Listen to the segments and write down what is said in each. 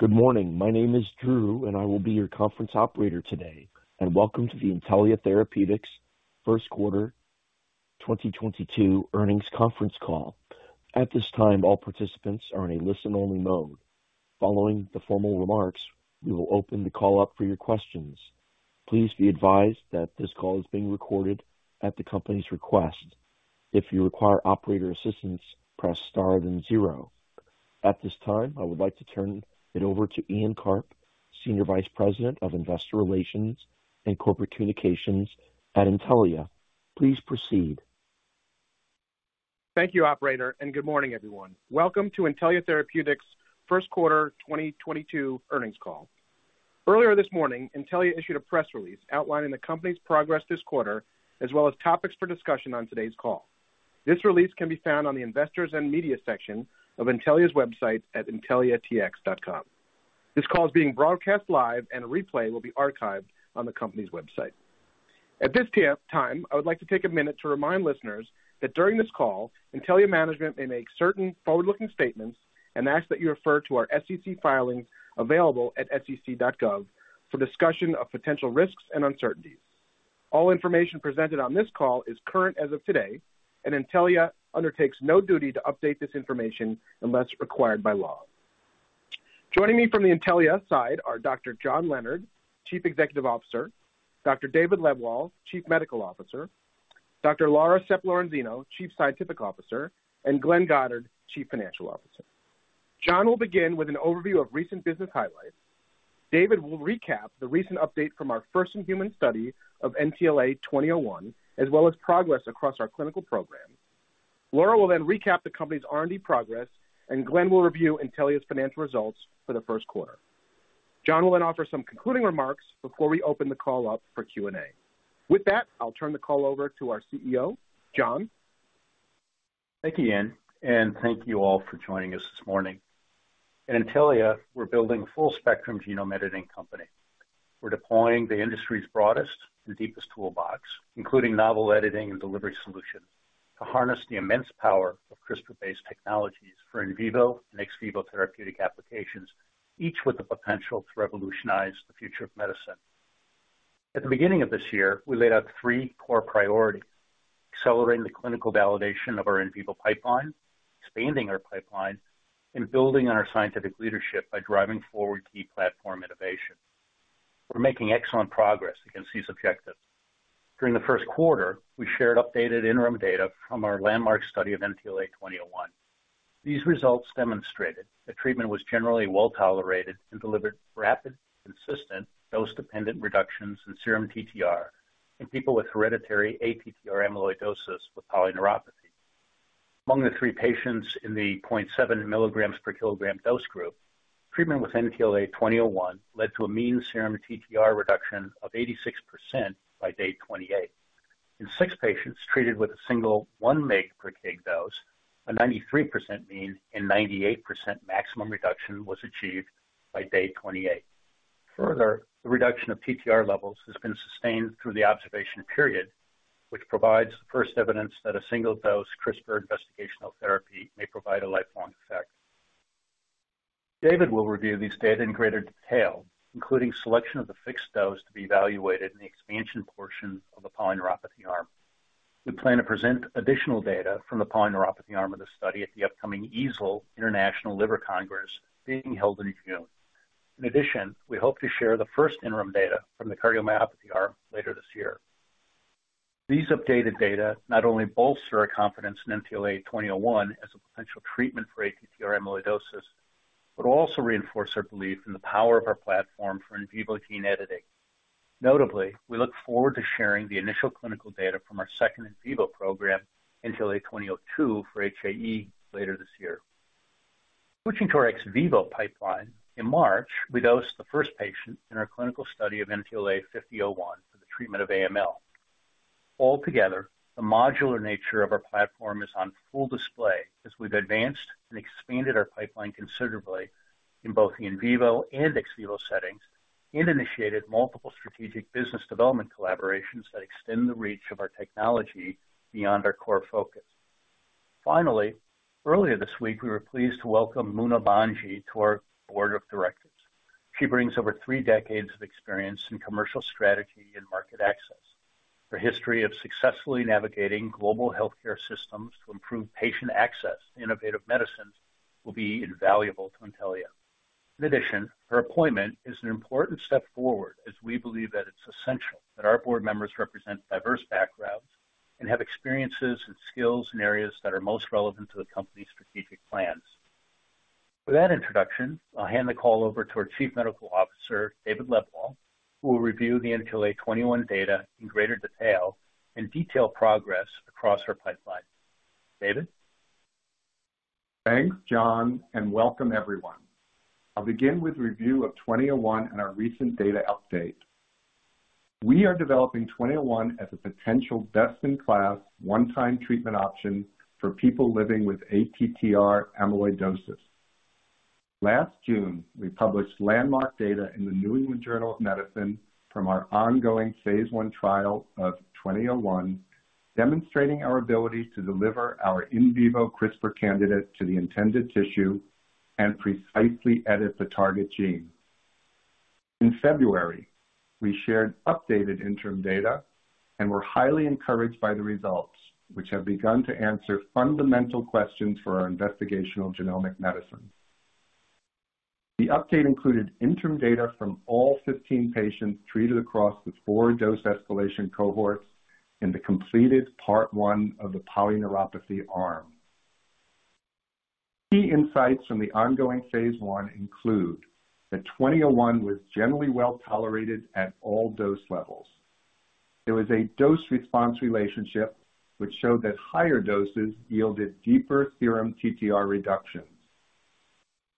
Good morning. My name is Drew and I will be your conference operator today. Welcome to the Intellia Therapeutics first quarter 2022 earnings conference call. At this time, all participants are in a listen-only mode. Following the formal remarks, we will open the call up for your questions. Please be advised that this call is being recorded at the company's request. If you require operator assistance, press star then zero. At this time, I would like to turn it over to Ian Karp, Senior Vice President of Investor Relations and Corporate Communications at Intellia. Please proceed. Thank you, operator, and good morning, everyone. Welcome to Intellia Therapeutics' first quarter 2022 earnings call. Earlier this morning, Intellia issued a press release outlining the company's progress this quarter, as well as topics for discussion on today's call. This release can be found on the Investors & Media section of Intellia's website at intelliatx.com. This call is being broadcast live, and a replay will be archived on the company's website. At this time, I would like to take a minute to remind listeners that during this call, Intellia management may make certain forward-looking statements and ask that you refer to our SEC filings available at sec.gov for discussion of potential risks and uncertainties. All information presented on this call is current as of today, and Intellia undertakes no duty to update this information unless required by law. Joining me from the Intellia side are Dr. John Leonard, Chief Executive Officer, Dr. David Lebwohl, Chief Medical Officer, Dr. Laura Sepp-Lorenzino, Chief Scientific Officer, and Glenn Goddard, Chief Financial Officer. John will begin with an overview of recent business highlights. David will recap the recent update from our first human study of NTLA-2001, as well as progress across our clinical program. Laura will then recap the company's R&D progress, and Glenn will review Intellia's financial results for the first quarter. John will then offer some concluding remarks before we open the call up for Q&A. With that, I'll turn the call over to our CEO, John. Thank you, Ian, and thank you all for joining us this morning. At Intellia, we're building a full spectrum genome editing company. We're deploying the industry's broadest and deepest toolbox, including novel editing and delivery solution, to harness the immense power of CRISPR-based technologies for in vivo and ex vivo therapeutic applications, each with the potential to revolutionize the future of medicine. At the beginning of this year, we laid out three core priorities: accelerating the clinical validation of our in vivo pipeline, expanding our pipeline, and building on our scientific leadership by driving forward key platform innovation. We're making excellent progress against these objectives. During the first quarter, we shared updated interim data from our landmark study of NTLA-2001. These results demonstrated the treatment was generally well tolerated and delivered rapid, consistent dose-dependent reductions in serum TTR in people with hereditary ATTR amyloidosis with polyneuropathy. Among the three patients in the 0.7 mg/kg dose group, treatment with NTLA-2001 led to a mean serum TTR reduction of 86% by day 28. In six patients treated with a single 1 mg/kg dose, a 93% mean and 98% maximum reduction was achieved by day 28. Further, the reduction of TTR levels has been sustained through the observation period, which provides the first evidence that a single-dose CRISPR investigational therapy may provide a lifelong effect. David will review these data in greater detail, including selection of the fixed dose to be evaluated in the expansion portion of the polyneuropathy arm. We plan to present additional data from the polyneuropathy arm of the study at the upcoming EASL International Liver Congress being held in June. In addition, we hope to share the first interim data from the cardiomyopathy arm later this year. These updated data not only bolster our confidence in NTLA-2001 as a potential treatment for ATTR amyloidosis, but also reinforce our belief in the power of our platform for in vivo gene editing. Notably, we look forward to sharing the initial clinical data from our second in vivo program, NTLA-2002 for HAE later this year. Switching to our ex vivo pipeline, in March, we dosed the first patient in our clinical study of NTLA-5001 for the treatment of AML. Altogether, the modular nature of our platform is on full display as we've advanced and expanded our pipeline considerably in both the in vivo and ex vivo settings and initiated multiple strategic business development collaborations that extend the reach of our technology beyond our core focus. Finally, earlier this week, we were pleased to welcome Muna Bhanji to our board of directors. She brings over three decades of experience in commercial strategy and market access. Her history of successfully navigating global healthcare systems to improve patient access to innovative medicines will be invaluable to Intellia. In addition, her appointment is an important step forward as we believe that it's essential that our board members represent diverse backgrounds and have experiences and skills in areas that are most relevant to the company's strategic plans. With that introduction, I'll hand the call over to our Chief Medical Officer, David Lebwohl, who will review the NTLA-2001 data in greater detail and detail progress across our pipeline. David? Thanks, John, and welcome everyone. I'll begin with review of 2001 and our recent data update. We are developing 2001 as a potential best-in-class, one-time treatment option for people living with ATTR amyloidosis. Last June, we published landmark data in the New England Journal of Medicine from our ongoing phase I trial of 2001, demonstrating our ability to deliver our in vivo CRISPR candidate to the intended tissue and precisely edit the target gene. In February, we shared updated interim data and were highly encouraged by the results, which have begun to answer fundamental questions for our investigational genomic medicine. The update included interim data from all 15 patients treated across the four dose escalation cohorts in the completed part 1 of the polyneuropathy arm. Key insights from the ongoing phase I include that 2001 was generally well-tolerated at all dose levels. There was a dose-response relationship, which showed that higher doses yielded deeper serum TTR reductions.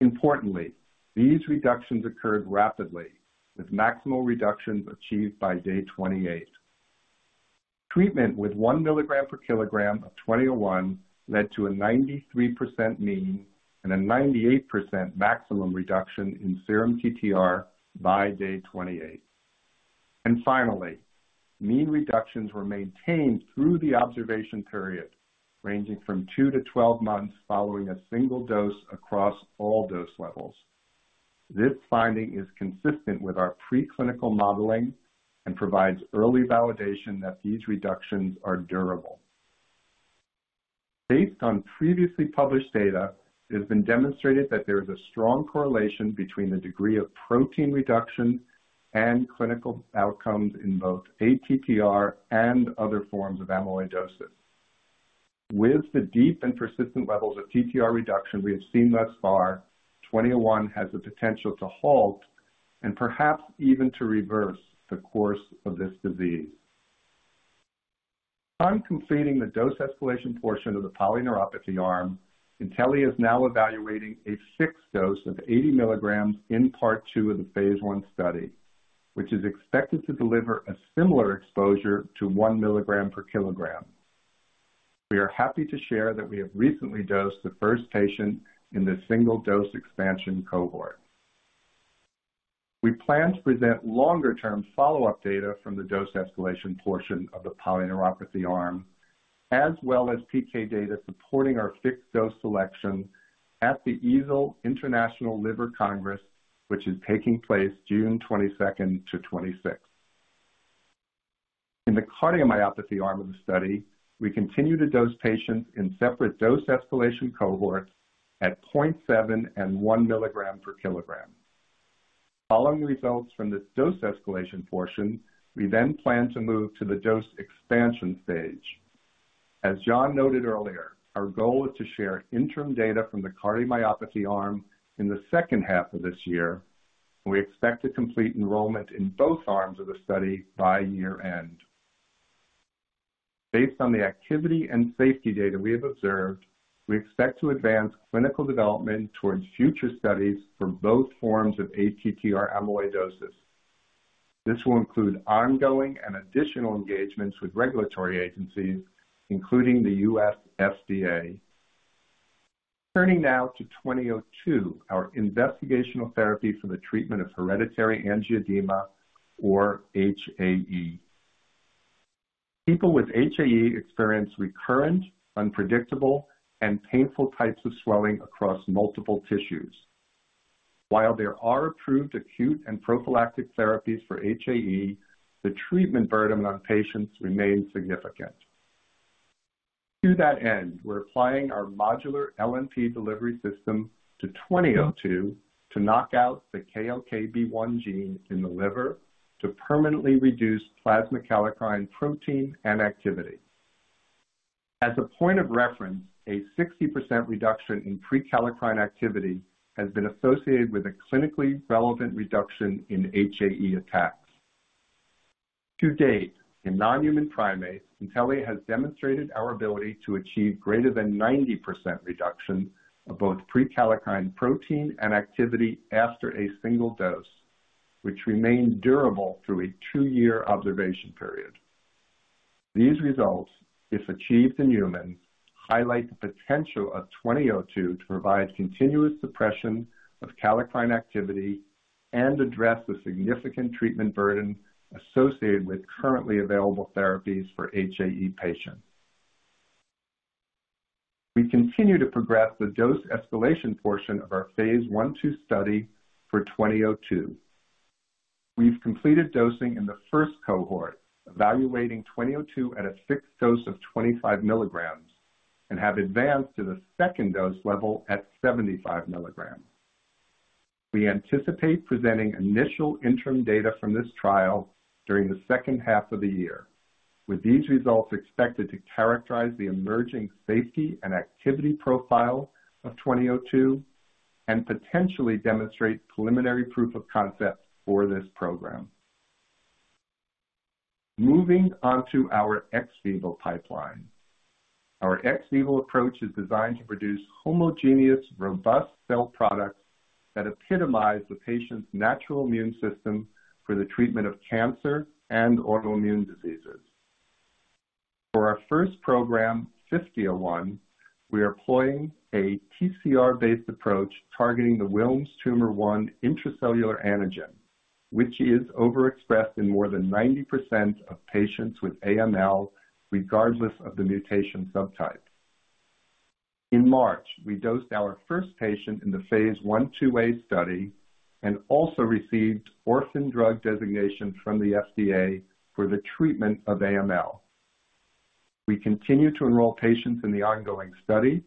Importantly, these reductions occurred rapidly, with maximal reductions achieved by day 28. Treatment with 1 mg/kg of 2001 led to a 93% mean and a 98% maximum reduction in serum TTR by day 28. And finally, mean reductions were maintained through the observation period, ranging from 2-12 months following a single dose across all dose levels. This finding is consistent with our preclinical modeling and provides early validation that these reductions are durable. Based on previously published data, it has been demonstrated that there is a strong correlation between the degree of protein reduction and clinical outcomes in both ATTR and other forms of amyloidosis. With the deep and persistent levels of TTR reduction we have seen thus far, 2001 has the potential to halt and perhaps even to reverse the course of this disease. On completing the dose escalation portion of the polyneuropathy arm, Intellia is now evaluating a fixed dose of 80 mg in part 2 of the phase I study, which is expected to deliver a similar exposure to 1 mg/kg. We are happy to share that we have recently dosed the first patient in this single dose expansion cohort. We plan to present longer-term follow-up data from the dose escalation portion of the polyneuropathy arm, as well as PK data supporting our fixed dose selection at the EASL International Liver Congress, which is taking place June 22-26. In the cardiomyopathy arm of the study, we continue to dose patients in separate dose escalation cohorts at 0.7 mg/kg and 1 mg/kg. Following results from this dose escalation portion, we then plan to move to the dose expansion stage. As John noted earlier, our goal is to share interim data from the cardiomyopathy arm in the second half of this year. We expect to complete enrollment in both arms of the study by year-end. Based on the activity and safety data we have observed, we expect to advance clinical development towards future studies for both forms of ATTR amyloidosis. This will include ongoing and additional engagements with regulatory agencies, including the U.S. FDA. Turning now to NTLA-2002, our investigational therapy for the treatment of hereditary angioedema, or HAE. People with HAE experience recurrent, unpredictable, and painful types of swelling across multiple tissues. While there are approved acute and prophylactic therapies for HAE, the treatment burden on patients remains significant. To that end, we're applying our modular LNP delivery system to NTLA-2002 to knock out the KLKB1 gene in the liver to permanently reduce plasma kallikrein protein and activity. As a point of reference, a 60% reduction in prekallikrein activity has been associated with a clinically relevant reduction in HAE attacks. To date, in non-human primates, Intellia has demonstrated our ability to achieve greater than 90% reduction of both prekallikrein protein and activity after a single dose, which remains durable through a two-year observation period. These results, if achieved in humans, highlight the potential of NTLA-2002 to provide continuous suppression of kallikrein activity and address the significant treatment burden associated with currently available therapies for HAE patients. We continue to progress the dose escalation portion of our phase I/II study for NTLA-2002. We've completed dosing in the first cohort, evaluating NTLA-2002 at a fixed dose of 25 mg, and have advanced to the second dose level at 75 mg. We anticipate presenting initial interim data from this trial during the second half of the year, with these results expected to characterize the emerging safety and activity profile of 2002 and potentially demonstrate preliminary proof of concept for this program. Moving on to our ex vivo pipeline. Our ex vivo approach is designed to produce homogeneous, robust cell products that epitomize the patient's natural immune system for the treatment of cancer and autoimmune diseases. For our first program, NTLA-5001, we are employing a TCR-based approach targeting the Wilms' Tumor 1 intracellular antigen, which is overexpressed in more than 90% of patients with AML, regardless of the mutation subtype. In March, we dosed our first patient in the phase I/II-A study and also received orphan drug designation from the FDA for the treatment of AML. We continue to enroll patients in the ongoing study,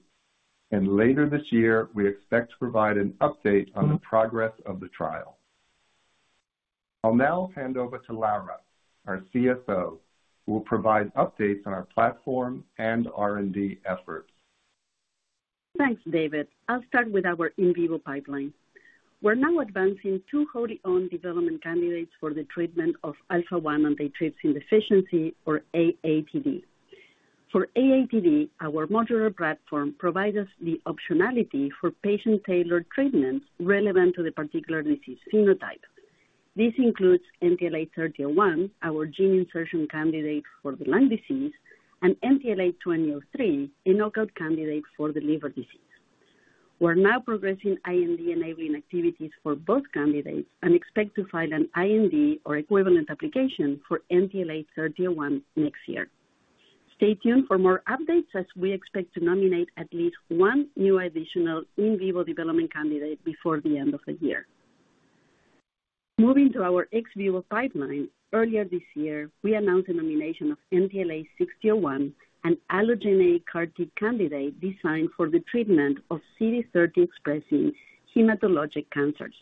and later this year, we expect to provide an update on the progress of the trial. I'll now hand over to Laura, our CSO, who will provide updates on our platform and R&D efforts. Thanks, David. I'll start with our in-vivo pipeline. We're now advancing two wholly-owned development candidates for the treatment of alpha-1 antitrypsin deficiency, or AATD. For AATD, our modular platform provides us the optionality for patient-tailored treatments relevant to the particular disease phenotype. This includes NTLA-3001, our gene insertion candidate for the lung disease, and NTLA-2003, a knockout candidate for the liver disease. We're now progressing IND-enabling activities for both candidates and expect to file an IND or equivalent application for NTLA-3001 next year. Stay tuned for more updates as we expect to nominate at least one new additional in-vivo development candidate before the end of the year. Moving to our ex-vivo pipeline, earlier this year, we announced the nomination of NTLA-6001, an allogeneic CAR-T candidate designed for the treatment of CD30-expressing hematologic cancers.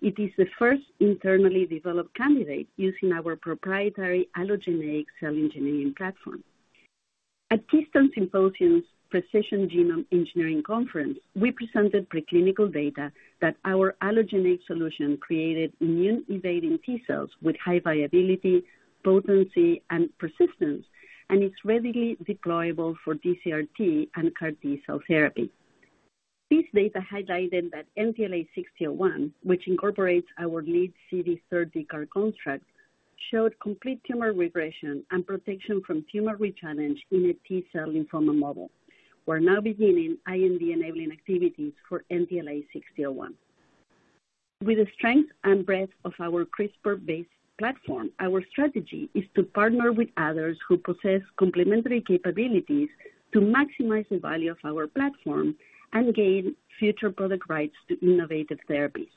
It is the first internally developed candidate using our proprietary allogeneic cell engineering platform. At Keystone Symposia's Precision Genome Engineering Conference, we presented preclinical data that our allogeneic solution created immune-evading T cells with high viability, potency, and persistence, and it's readily deployable for TCR-T and CAR-T cell therapy. This data highlighted that NTLA-6001, which incorporates our lead CD30 CAR construct, showed complete tumor regression and protection from tumor rechallenge in a T-cell lymphoma model. We're now beginning IND-enabling activities for NTLA-6001. With the strength and breadth of our CRISPR-based platform, our strategy is to partner with others who possess complementary capabilities to maximize the value of our platform and gain future product rights to innovative therapies.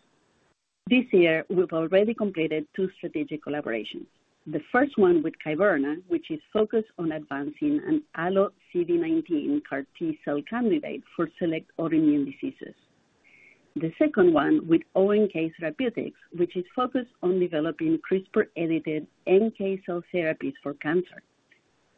This year, we've already completed two strategic collaborations. The first one with Kyverna, which is focused on advancing an allo CD19 CAR-T cell candidate for select autoimmune diseases. The second one with ONK Therapeutics, which is focused on developing CRISPR-edited NK cell therapies for cancer.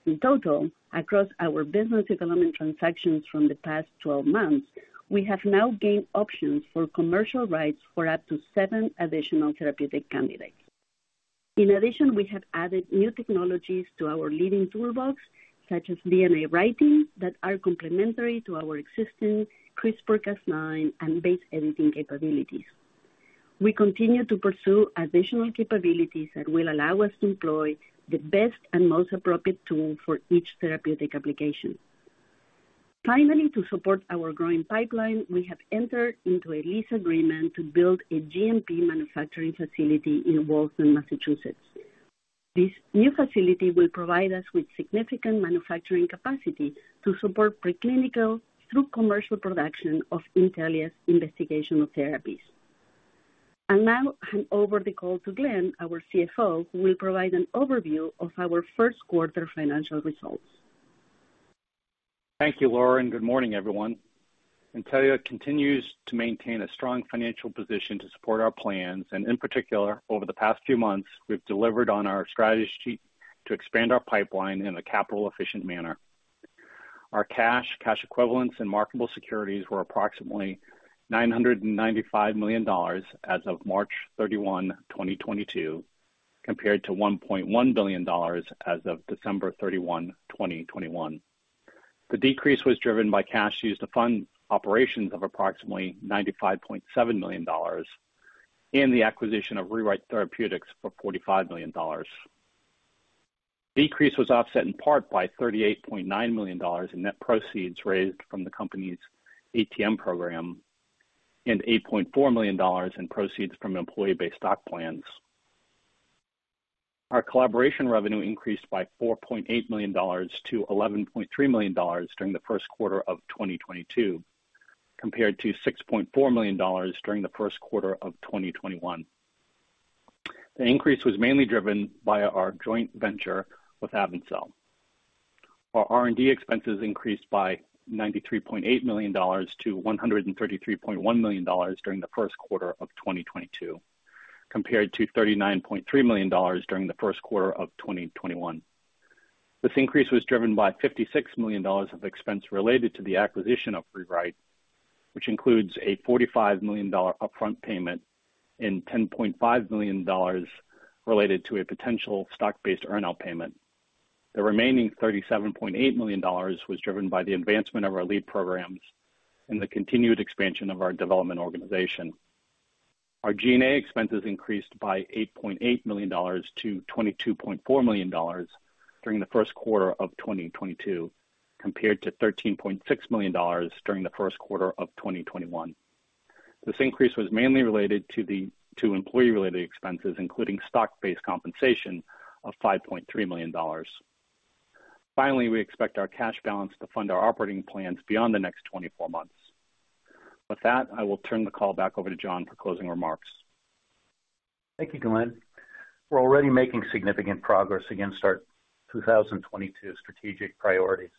In total, across our business development transactions from the past 12 months, we have now gained options for commercial rights for up to seven additional therapeutic candidates. In addition, we have added new technologies to our leading toolbox, such as DNA writing, that are complementary to our existing CRISPR-Cas9 and base editing capabilities. We continue to pursue additional capabilities that will allow us to employ the best and most appropriate tool for each therapeutic application. Finally, to support our growing pipeline, we have entered into a lease agreement to build a GMP manufacturing facility in Waltham, Massachusetts. This new facility will provide us with significant manufacturing capacity to support preclinical through commercial production of Intellia's investigational therapies. Now I'll hand over the call to Glenn, our CFO, who will provide an overview of our first quarter financial results. Thank you, Laura, and good morning, everyone. Intellia continues to maintain a strong financial position to support our plans, and in particular, over the past few months, we've delivered on our strategy to expand our pipeline in a capital-efficient manner. Our cash equivalents and marketable securities were approximately $995 million as of March 31, 2022, compared to $1.1 billion as of December 31, 2021. The decrease was driven by cash used to fund operations of approximately $95.7 million and the acquisition of Rewrite Therapeutics for $45 million. Decrease was offset in part by $38.9 million in net proceeds raised from the company's ATM program and $8.4 million in proceeds from employee-based stock plans. Our collaboration revenue increased by $4.8 million to $11.3 million during the first quarter of 2022, compared to $6.4 million during the first quarter of 2021. The increase was mainly driven by our joint venture with AvenCell. Our R&D expenses increased by $93.8 million to $133.1 million during the first quarter of 2022, compared to $39.3 million during the first quarter of 2021. This increase was driven by $56 million of expense related to the acquisition of Rewrite, which includes a $45 million upfront payment and $10.5 million related to a potential stock-based earn-out payment. The remaining $37.8 million was driven by the advancement of our lead programs and the continued expansion of our development organization. Our G&A expenses increased by $8.8 million to $22.4 million during the first quarter of 2022 compared to $13.6 million during the first quarter of 2021. This increase was mainly related to employee-related expenses, including stock-based compensation of $5.3 million. Finally, we expect our cash balance to fund our operating plans beyond the next 24 months. With that, I will turn the call back over to John for closing remarks. Thank you, Glenn. We're already making significant progress against our 2022 strategic priorities.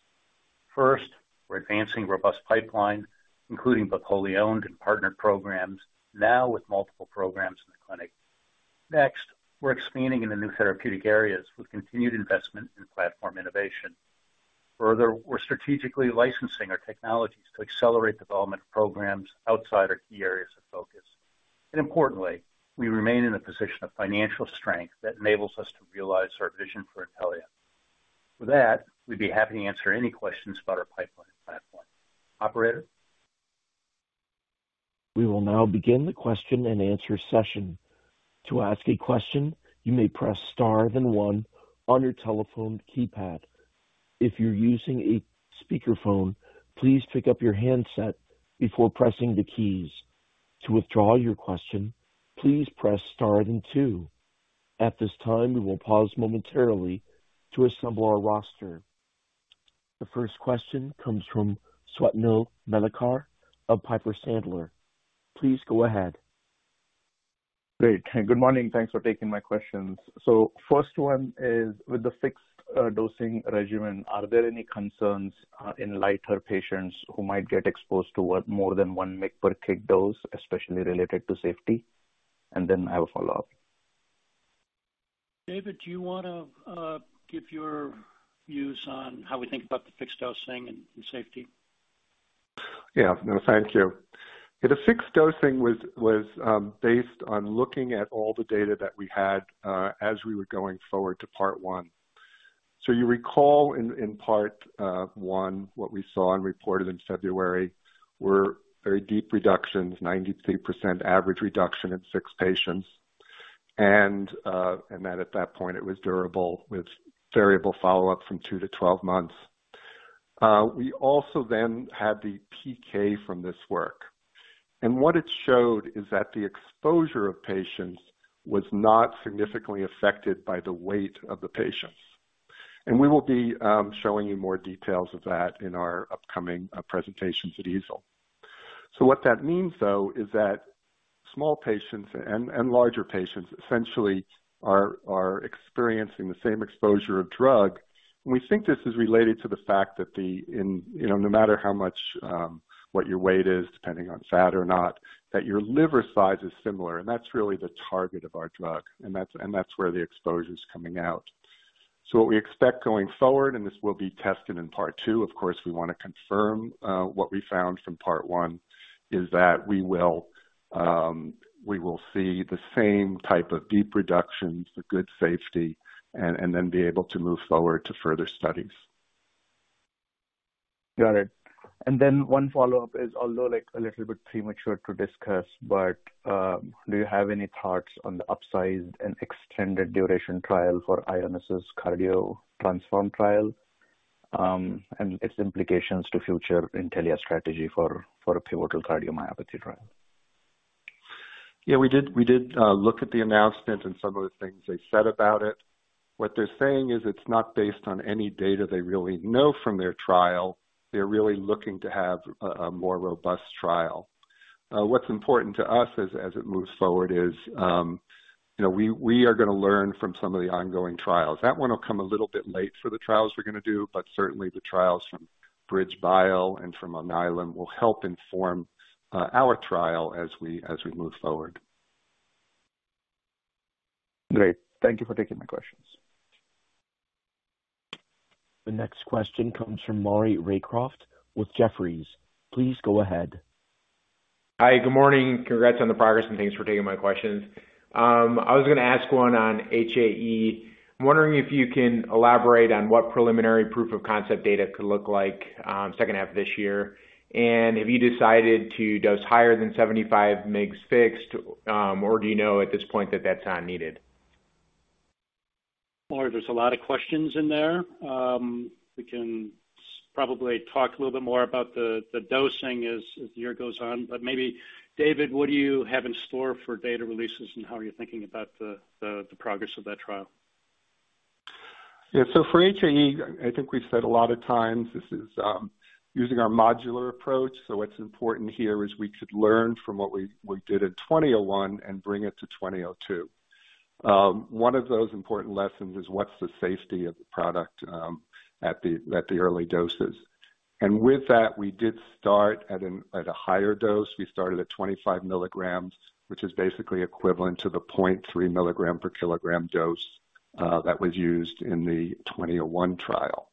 First, we're advancing robust pipeline, including both wholly owned and partnered programs, now with multiple programs in the clinic. Next, we're expanding into new therapeutic areas with continued investment in platform innovation. Further, we're strategically licensing our technologies to accelerate development of programs outside our key areas of focus. Importantly, we remain in a position of financial strength that enables us to realize our vision for Intellia. With that, we'd be happy to answer any questions about our pipeline and platform. Operator? We will now begin the question-and-answer session. To ask a question, you may press star then one on your telephone keypad. If you're using a speakerphone, please pick up your handset before pressing the keys. To withdraw your question, please press star then two. At this time, we will pause momentarily to assemble our roster. The first question comes from Swapnil Malekar of Piper Sandler. Please go ahead. Great. Good morning. Thanks for taking my questions. First one is, with the fixed dosing regimen, are there any concerns in lighter patients who might get exposed to what more than 1 mg/kg dose, especially related to safety and then I have a follow-up. David, do you wanna give your views on how we think about the fixed dosing and safety? Yeah. No, thank you. The fixed dosing was based on looking at all the data that we had as we were going forward to part one. You recall in part one, what we saw and reported in February were very deep reductions, 93% average reduction in six patients. That at that point, it was durable with variable follow-up from 2 -12 months. We also then had the PK from this work. What it showed is that the exposure of patients was not significantly affected by the weight of the patients. We will be showing you more details of that in our upcoming presentations at EASL. What that means though is that small patients and larger patients essentially are experiencing the same exposure of drug. We think this is related to the fact that in, you know, no matter how much what your weight is, depending on fat or not, that your liver size is similar, and that's really the target of our drug, and that's where the exposure's coming out. What we expect going forward, and this will be tested in part two, of course, we wanna confirm what we found from part one, is that we will see the same type of deep reductions, the good safety and then be able to move forward to further studies. Got it. One follow-up is, although, like, a little bit premature to discuss, but do you have any thoughts on the upsized and extended duration trial for Ionis's CARDIO-TTRansform trial, and its implications to future Intellia strategy for a pivotal cardiomyopathy trial? Yeah. We did look at the announcement and some of the things they said about it. What they're saying is it's not based on any data they really know from their trial. They're really looking to have a more robust trial. What's important to us as it moves forward is, you know, we are gonna learn from some of the ongoing trials. That one will come a little bit late for the trials we're gonna do, but certainly the trials from BridgeBio and from Alnylam will help inform our trial as we move forward. Great. Thank you for taking my questions. The next question comes from Maury Raycroft with Jefferies. Please go ahead. Hi. Good morning. Congrats on the progress and thanks for taking my questions. I was gonna ask one on HAE. I'm wondering if you can elaborate on what preliminary proof of concept data could look like, second half of this year. Have you decided to dose higher than 75mg fixed, or do you know at this point that that's not needed? Maury, there's a lot of questions in there. We can probably talk a little bit more about the dosing as the year goes on, but maybe David, what do you have in store for data releases, and how are you thinking about the progress of that trial? Yeah. For HAE, I think we've said a lot of times this is using our modular approach. What's important here is we could learn from what we did in 2001 and bring it to 2002. One of those important lessons is what's the safety of the product at the early doses. With that, we did start at a higher dose. We started at 25 mg, which is basically equivalent to the 0.3 m/kg dose that was used in the 2001 trial.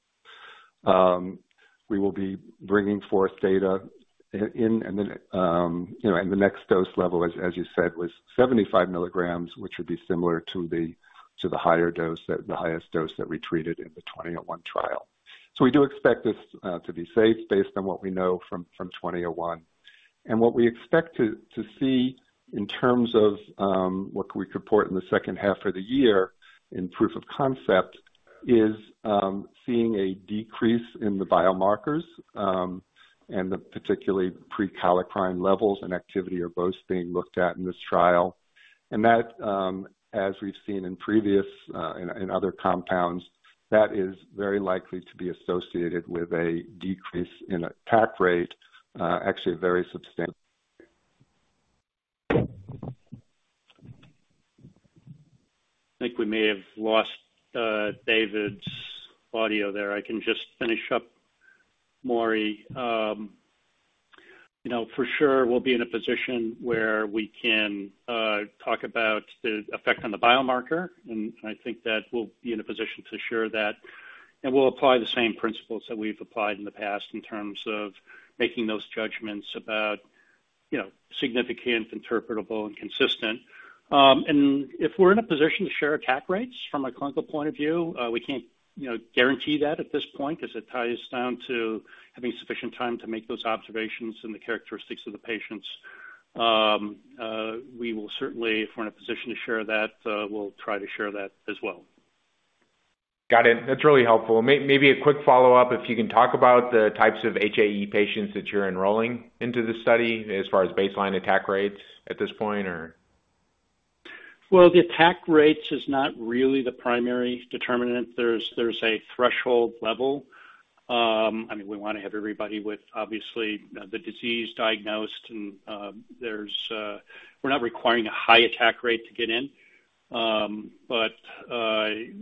We will be bringing forth data in and then you know and the next dose level as you said was 75 mg, which would be similar to the higher dose that the highest dose that we treated in the 2001 trial. We do expect this to be safe based on what we know from 2001. What we expect to see in terms of what we could report in the second half of the year in proof of concept is seeing a decrease in the biomarkers, and particularly the prekallikrein levels and activity are both being looked at in this trial. That, as we've seen previously in other compounds, is very likely to be associated with a decrease in attack rate, actually a very substantial I think we may have lost David's audio there. I can just finish up, Maury. You know, for sure we'll be in a position where we can talk about the effect on the biomarker, and I think that we'll be in a position to share that. We'll apply the same principles that we've applied in the past in terms of making those judgments about, you know, significant, interpretable, and consistent. If we're in a position to share attack rates from a clinical point of view, we can't, you know, guarantee that at this point because it ties down to having sufficient time to make those observations and the characteristics of the patients. We will certainly, if we're in a position to share that, we'll try to share that as well. Got it. That's really helpful. Maybe a quick follow-up, if you can talk about the types of HAE patients that you're enrolling into the study as far as baseline attack rates at this point, or? Well, the attack rates is not really the primary determinant. There's a threshold level. I mean, we wanna have everybody with obviously the disease diagnosed and we're not requiring a high attack rate to get in. But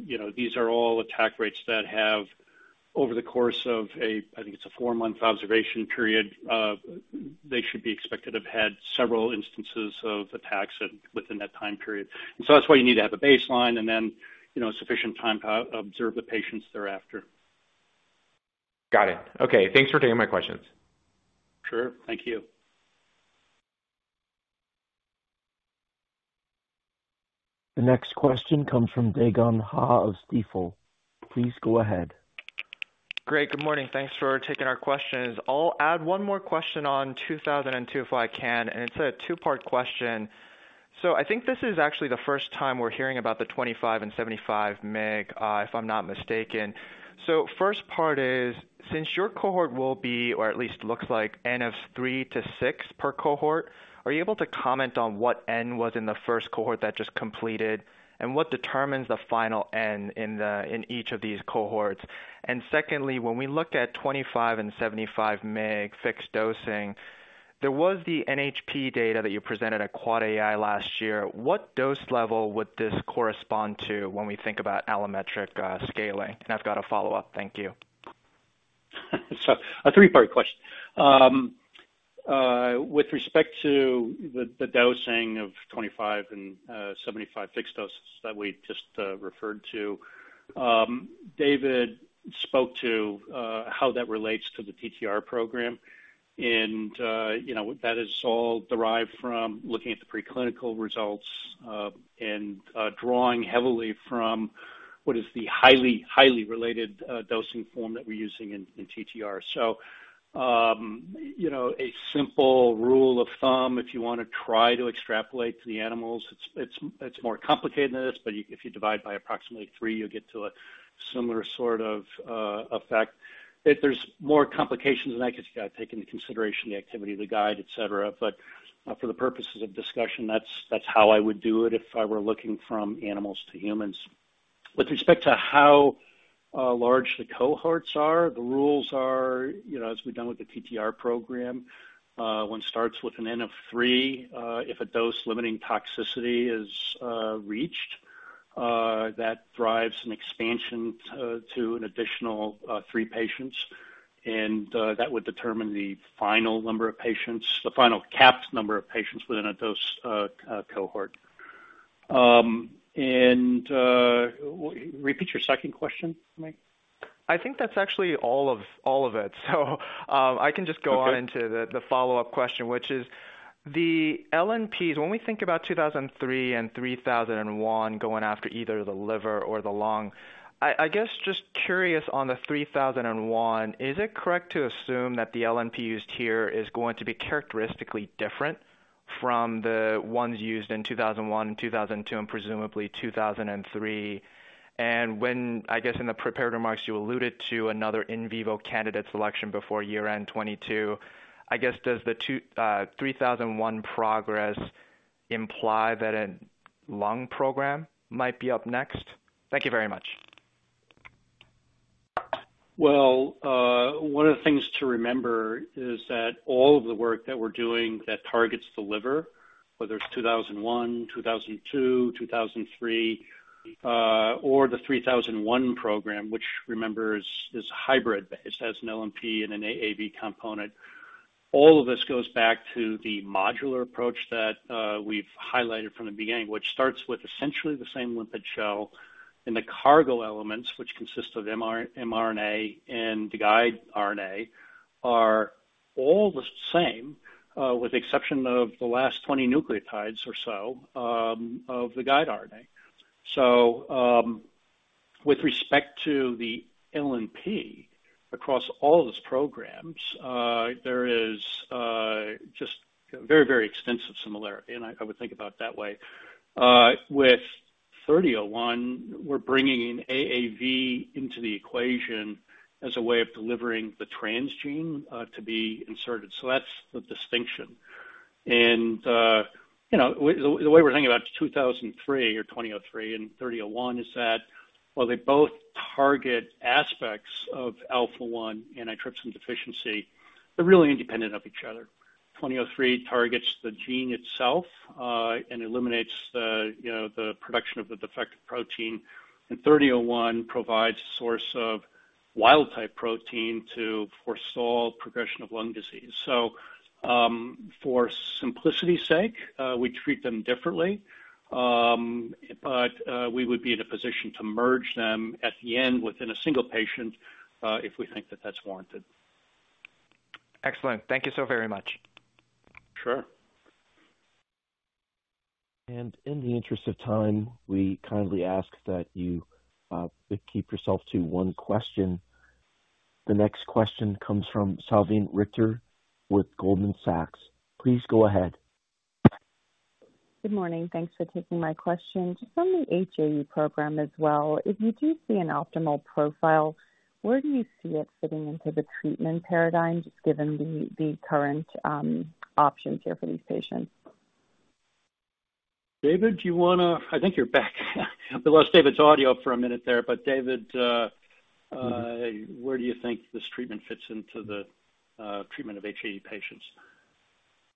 you know, these are all attack rates that have over the course of a, I think it's a four-month observation period, they should be expected to have had several instances of attacks within that time period. That's why you need to have a baseline and then, you know, sufficient time to observe the patients thereafter. Got it. Okay. Thanks for taking my questions. Sure. Thank you. The next question comes from Dae Gon Ha of Stifel. Please go ahead. Great. Good morning. Thanks for taking our questions. I'll add one more question on NTLA-2002, if I can, and it's a two-part question. I think this is actually the first time we're hearing about the 25 mg and 75 mg, if I'm not mistaken. First part is, since your cohort will be, or at least looks like N of 3 mg-6 mg per cohort, are you able to comment on what N was in the first cohort that just completed, and what determines the final N in each of these cohorts? Secondly, when we look at 25 mg and 75 mg fixed dosing, there was the NHP data that you presented at ASGCT last year. What dose level would this correspond to when we think about allometric scaling? I've got a follow-up. Thank you. A three-part question. With respect to the dosing of 25 mg and 75 mg fixed doses that we just referred to, David spoke to how that relates to the TTR program. You know, that is all derived from looking at the preclinical results, and drawing heavily from what is the highly related dosing form that we're using in TTR. You know, a simple rule of thumb, if you wanna try to extrapolate to the animals, it's more complicated than this, but if you divide by approximately 3 mg, you'll get to a similar sort of effect. If there's more complications than that, 'cause you gotta take into consideration the activity of the guide, et cetera. For the purposes of discussion, that's how I would do it if I were looking from animals to humans. With respect to how large the cohorts are, the rules are, you know, as we've done with the TTR program, one starts with an N of 3 mg. If a dose limiting toxicity is reached, that drives an expansion to an additional three patients, and that would determine the final number of patients, the final capped number of patients within a dose cohort. Repeat your second question for me. I think that's actually all of it. I can just go on. Okay. Into the follow-up question, which is the LNPs. When we think about 2003 and 3001 going after either the liver or the lung, I guess just curious on the 3001, is it correct to assume that the LNP used here is going to be characteristically different from the ones used in 2001, 2002, and presumably 2003? In the prepared remarks, you alluded to another in-vivo candidate selection before year-end 2022, I guess does the 3001 progress imply that a lung program might be up next? Thank you very much. Well, one of the things to remember is that all of the work that we're doing that targets the liver, whether it's 2001, 2002, 2003, or the 3001 program, which remember is hybrid-based, has an LNP and an AAV component. All of this goes back to the modular approach that we've highlighted from the beginning, which starts with essentially the same lipid shell. The cargo elements, which consist of mRNA and the guide RNA, are all the same, with the exception of the last 20 nucleotides or so, of the guide RNA. With respect to the LNP across all of those programs, there is just very, very extensive similarity, and I would think about it that way. With 3001, we're bringing in AAV into the equation as a way of delivering the transgene to be inserted. That's the distinction. You know, the way we're thinking about 2003 or 2003 and 3001 is that while they both target aspects of alpha-1 antitrypsin deficiency, they're really independent of each other. 2003 targets the gene itself and eliminates, you know, the production of the defective protein. 3001 provides a source of wild type protein to forestall progression of lung disease. For simplicity's sake, we treat them differently. We would be in a position to merge them at the end within a single patient if we think that that's warranted. Excellent. Thank you so very much. Sure. In the interest of time, we kindly ask that you keep yourself to one question. The next question comes from Salveen Richter with Goldman Sachs. Please go ahead. Good morning. Thanks for taking my question. Just on the HAE program as well, if you do see an optimal profile, where do you see it fitting into the treatment paradigm, just given the current options here for these patients? David, do you wanna? I think you're back. We lost David's audio for a minute there. David, where do you think this treatment fits into the treatment of HAE patients?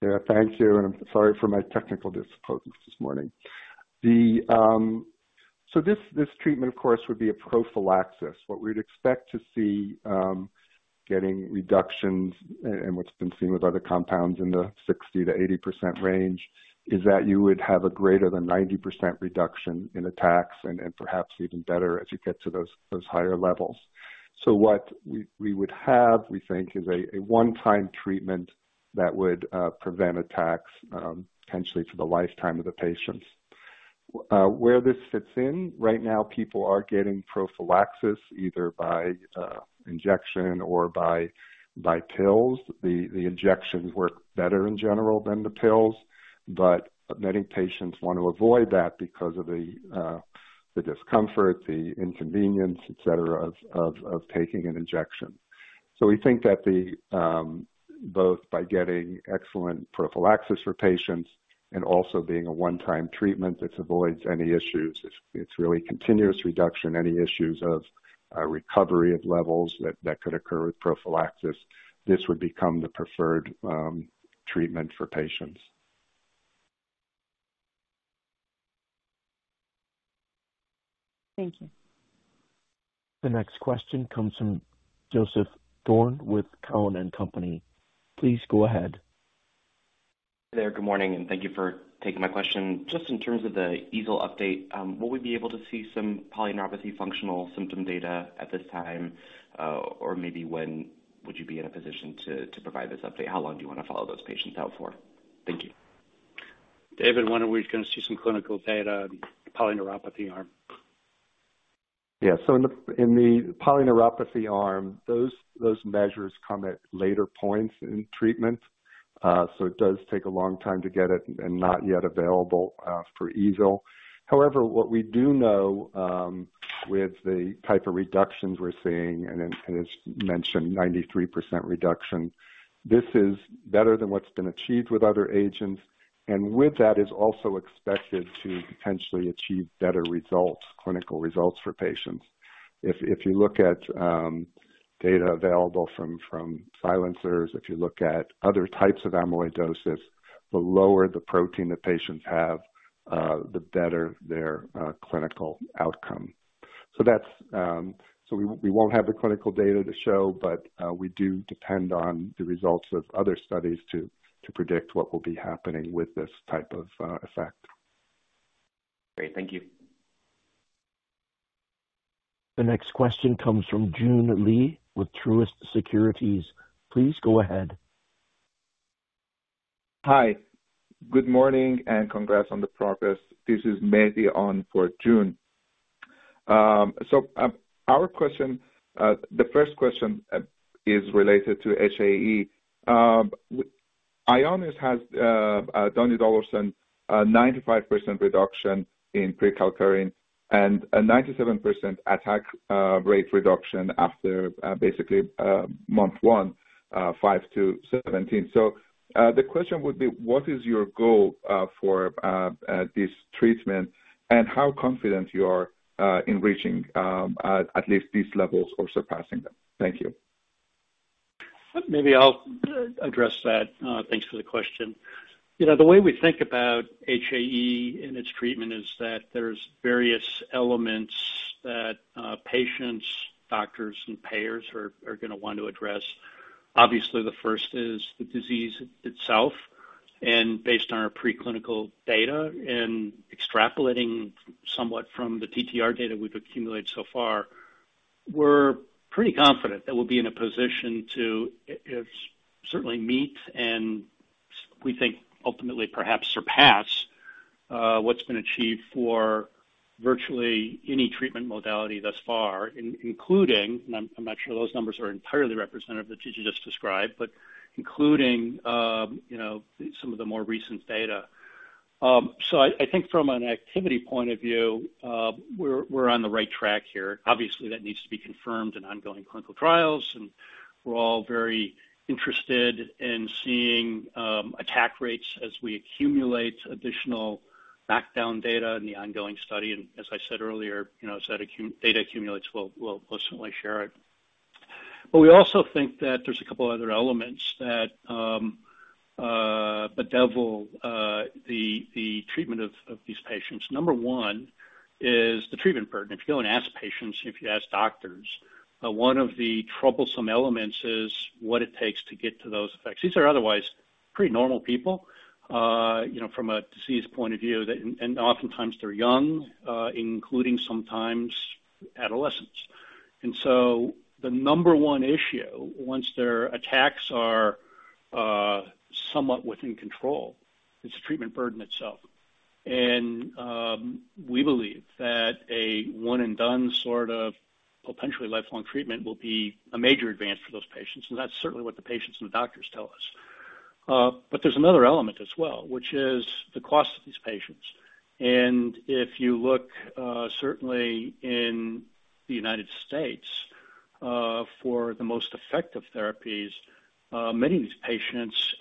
Yeah. Thank you, and I'm sorry for my technical difficulties this morning. This treatment, of course, would be a prophylaxis. What we'd expect to see, getting reductions and what's been seen with other compounds in the 60%-80% range, is that you would have a greater than 90% reduction in attacks and perhaps even better as you get to those higher levels. What we would have, we think, is a one-time treatment that would prevent attacks, potentially for the lifetime of the patients. Where this fits in, right now people are getting prophylaxis either by injection or by pills. The injections work better in general than the pills, but many patients want to avoid that because of the discomfort, the inconvenience, et cetera, of taking an injection. We think that both by getting excellent prophylaxis for patients and also being a one-time treatment that avoids any issues, it's really continuous reduction, any issues of recovery of levels that could occur with prophylaxis, this would become the preferred treatment for patients. Thank you. The next question comes from Joseph Thome with Cowen & Company. Please go ahead. Hey there. Good morning, and thank you for taking my question. Just in terms of the EASL update, will we be able to see some polyneuropathy functional symptom data at this time, or maybe when would you be in a position to provide this update? How long do you wanna follow those patients out for? Thank you. David, when are we gonna see some clinical data on the polyneuropathy arm? In the polyneuropathy arm, those measures come at later points in treatment. It does take a long time to get it and not yet available for EASL. However, what we do know with the type of reductions we're seeing and as mentioned, 93% reduction, this is better than what's been achieved with other agents. With that, is also expected to potentially achieve better results, clinical results for patients. If you look at data available from silencers, if you look at other types of amyloidosis, the lower the protein the patients have, the better their clinical outcome. That's we won't have the clinical data to show, but we do depend on the results of other studies to predict what will be happening with this type of effect. Great. Thank you. The next question comes from Joon Lee with Truist Securities. Please go ahead. Hi. Good morning and congrats on the progress. This is Maisie on for Joon. Our question, the first question, is related to HAE. Ionis has done it all since 95% reduction in prekallikrein and a 97% attack rate reduction after basically month one, 5-17. The question would be, what is your goal for this treatment and how confident you are in reaching at least these levels or surpassing them? Thank you. Maybe I'll address that. Thanks for the question. You know, the way we think about HAE and its treatment is that there's various elements that, patients, doctors and payers are gonna want to address. Obviously, the first is the disease itself, and based on our preclinical data and extrapolating somewhat from the TTR data we've accumulated so far. We're pretty confident that we'll be in a position to, if certainly meet, and we think ultimately perhaps surpass, what's been achieved for virtually any treatment modality thus far, including, and I'm not sure those numbers are entirely representative that you just described, but including, you know, some of the more recent data. I think from an activity point of view, we're on the right track here. Obviously, that needs to be confirmed in ongoing clinical trials, and we're all very interested in seeing attack rates as we accumulate additional knockdown data in the ongoing study. As I said earlier, you know, as that knockdown data accumulates, we'll certainly share it. We also think that there's a couple other elements that bedevil the treatment of these patients. Number one is the treatment burden. If you go and ask patients, if you ask doctors, one of the troublesome elements is what it takes to get to those effects. These are otherwise pretty normal people, you know, from a disease point of view that. Oftentimes they're young, including sometimes adolescents. The number one issue, once their attacks are somewhat within control, is the treatment burden itself. We believe that a one and done sort of potentially lifelong treatment will be a major advance for those patients, and that's certainly what the patients and the doctors tell us. But there's another element as well, which is the cost to these patients. If you look, certainly in the United States, for the most effective therapies, many of these patients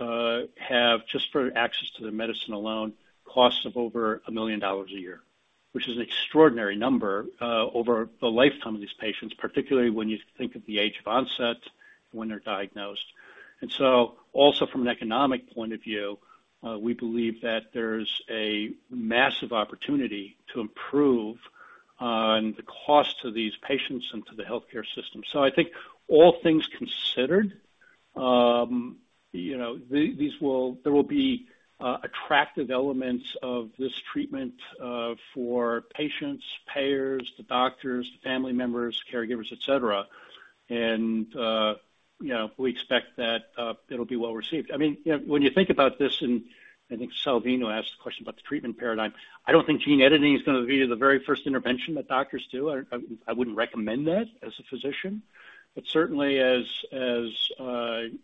have just for access to the medicine alone, costs of over $1 million a year, which is an extraordinary number, over the lifetime of these patients, particularly when you think of the age of onset when they're diagnosed. Also from an economic point of view, we believe that there's a massive opportunity to improve, the cost to these patients and to the healthcare system. I think all things considered, you know, these will be attractive elements of this treatment for patients, payers, the doctors, the family members, caregivers, et cetera. You know, we expect that it'll be well received. I mean, you know, when you think about this, I think Salveen asked the question about the treatment paradigm. I don't think gene editing is gonna be the very first intervention that doctors do. I wouldn't recommend that as a physician. Certainly as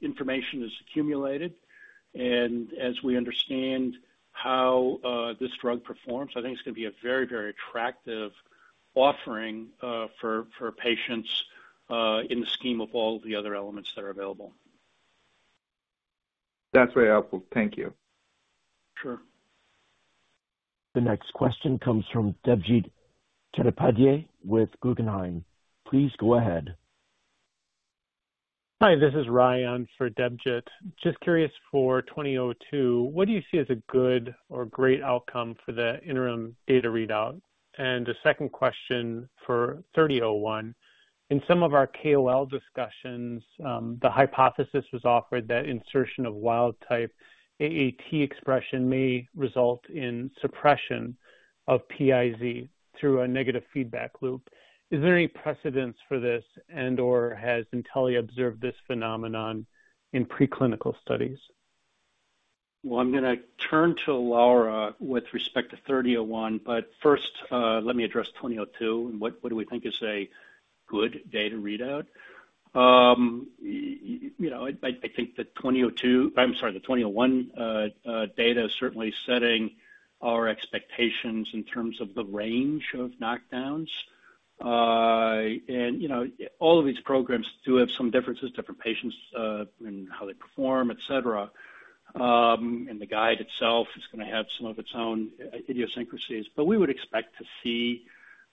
information is accumulated and as we understand how this drug performs, I think it's gonna be a very, very attractive offering for patients in the scheme of all the other elements that are available. That's very helpful. Thank you. Sure. The next question comes from Debjit Chattopadhyay with Guggenheim. Please go ahead. Hi, this is Ryan for Debjit. Just curious for 2002, what do you see as a good or great outcome for the interim data readout? The second question for 3001. In some of our KOL discussions, the hypothesis was offered that insertion of wild type AAT expression may result in suppression of PIZ through a negative feedback loop. Is there any precedent for this and/or has Intellia observed this phenomenon in preclinical studies? Well, I'm gonna turn to Laura with respect to 3001, but first, let me address 2002 and what do we think is a good data readout. You know, I think the 2001 data is certainly setting our expectations in terms of the range of knockdowns. You know, all of these programs do have some differences, different patients, and how they perform, et cetera. The guide itself is gonna have some of its own idiosyncrasies. We would expect to see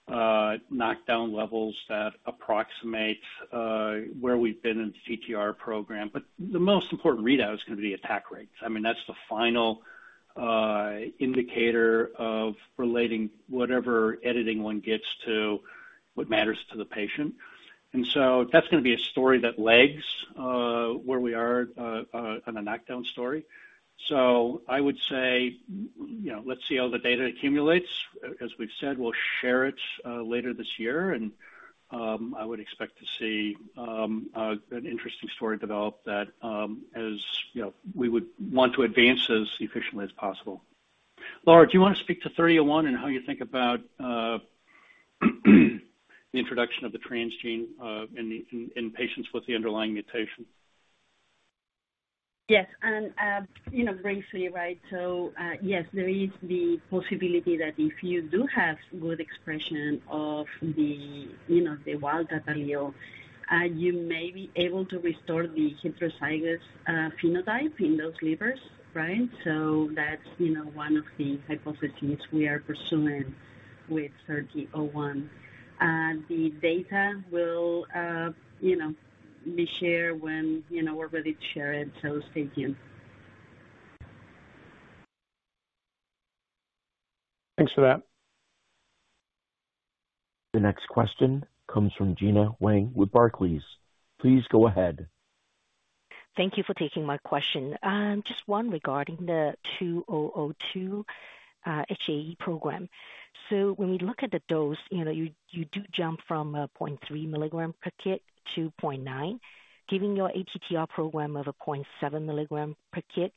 knockdown levels that approximate where we've been in the TTR program. The most important readout is gonna be attack rates. I mean, that's the final indicator of relating whatever editing one gets to what matters to the patient. That's gonna be a story that lags where we are on a knockdown story. I would say, you know, let's see how the data accumulates. As we've said, we'll share it later this year, and I would expect to see an interesting story develop that, as you know, we would want to advance as efficiently as possible. Laura, do you wanna speak to thirty oh one and how you think about the introduction of the transgene in the patients with the underlying mutation? Yes, you know, briefly, right? Yes, there is the possibility that if you do have good expression of the, you know, the wild type allele, you may be able to restore the heterozygous phenotype in those livers, right? That's, you know, one of the hypotheses we are pursuing with NTLA-3001. The data will, you know, be shared when, you know, we're ready to share it. Stay tuned. Thanks for that. The next question comes from Gena Wang with Barclays. Please go ahead. Thank you for taking my question. Just one regarding the 2002 HAE program. So when we look at the dose, you know, you do jump from a 0.3 mg/kg to 0.9mk/kg, giving your ATTR program of a 0.7 mg/kg.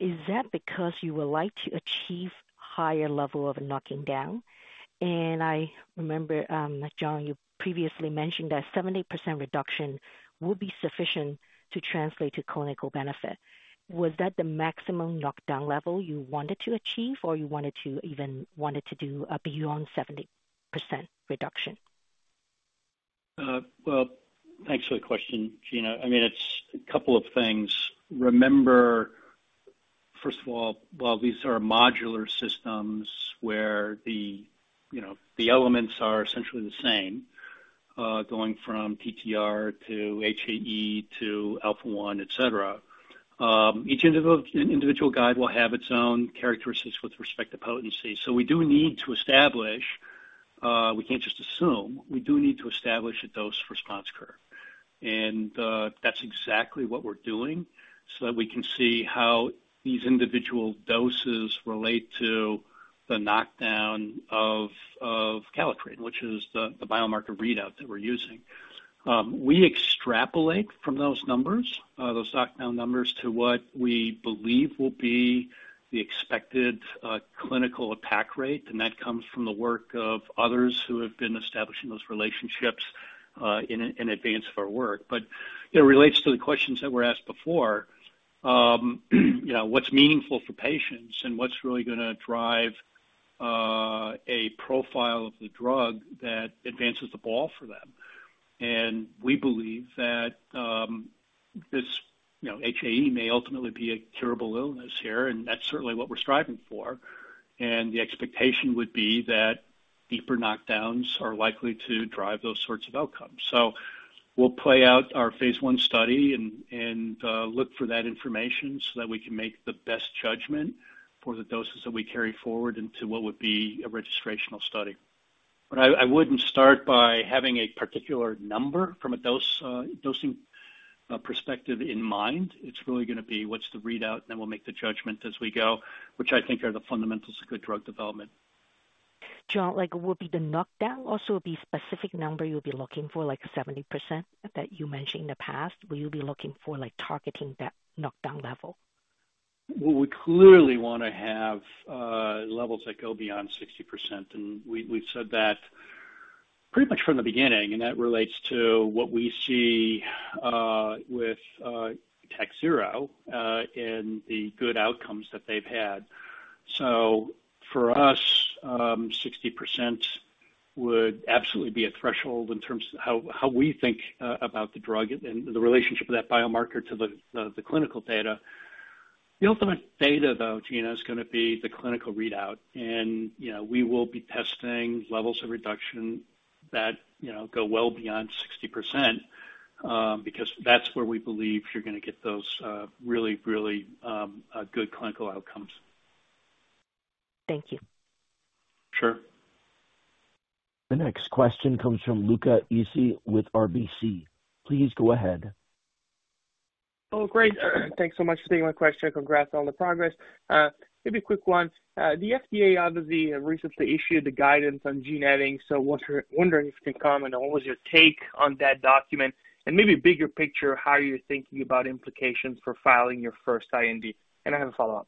Is that because you would like to achieve higher level of knockdown? I remember, John, you previously mentioned that 70% reduction will be sufficient to translate to clinical benefit. Was that the maximum knockdown level you wanted to achieve, or you wanted to even do beyond 70% reduction? Thanks for the question, Gena. I mean, it's a couple of things. Remember, first of all, while these are modular systems where the, you know, the elements are essentially the same, going from TTR to HAE to alpha-1, et cetera, each individual guide will have its own characteristics with respect to potency. So we do need to establish, we can't just assume, we do need to establish a dose response curve. That's exactly what we're doing so that we can see how these individual doses relate to the knockdown of kallikrein, which is the biomarker readout that we're using. We extrapolate from those numbers, those knockdown numbers to what we believe will be the expected clinical attack rate. That comes from the work of others who have been establishing those relationships in advance of our work. It relates to the questions that were asked before. You know, what's meaningful for patients and what's really gonna drive a profile of the drug that advances the ball for them. We believe that this, you know, HAE may ultimately be a curable illness here, and that's certainly what we're striving for. The expectation would be that deeper knockdowns are likely to drive those sorts of outcomes. We'll play out our phase I study and look for that information so that we can make the best judgment for the doses that we carry forward into what would be a registrational study. I wouldn't start by having a particular number from a dosing perspective in mind. It's really gonna be what's the readout, and then we'll make the judgment as we go, which I think are the fundamentals of good drug development. John, like, will the knockdown also be specific number you'll be looking for, like 70% that you mentioned in the past? Will you be looking for, like, targeting that knockdown level? We clearly wanna have levels that go beyond 60%. We've said that pretty much from the beginning, and that relates to what we see with Takhzyro and the good outcomes that they've had. For us, 60% would absolutely be a threshold in terms of how we think about the drug and the relationship of that biomarker to the clinical data. The ultimate data, though, Gena, is gonna be the clinical readout. You know, we will be testing levels of reduction that you know go well beyond 60%, because that's where we believe you're gonna get those really good clinical outcomes. Thank you. Sure. The next question comes from Luca Issi with RBC. Please go ahead. Oh, great. Thanks so much for taking my question. Congrats on the progress. Maybe a quick one. The FDA obviously recently issued the guidance on gene editing, so wondering if you can comment on what was your take on that document, and maybe bigger picture, how you're thinking about implications for filing your first IND. I have a follow-up.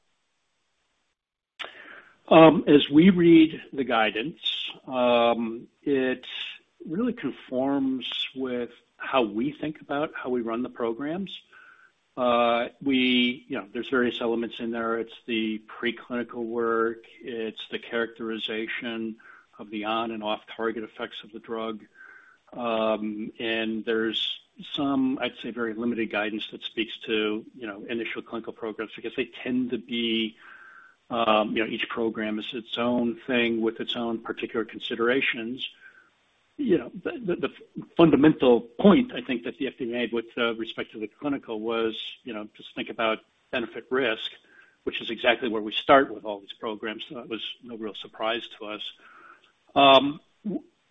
As we read the guidance, it really conforms with how we think about how we run the programs. You know, there's various elements in there. It's the preclinical work. It's the characterization of the on and off target effects of the drug. And there's some, I'd say, very limited guidance that speaks to, you know, initial clinical programs, because they tend to be, you know, each program is its own thing with its own particular considerations. You know, the fundamental point I think that the FDA made with respect to the clinical was, you know, just think about benefit risk, which is exactly where we start with all these programs, so that was no real surprise to us.